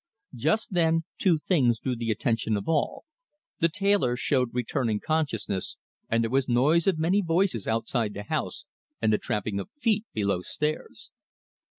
Just then two things drew the attention of all: the tailor showed returning consciousness, and there was noise of many voices outside the house and the tramping of feet below stairs.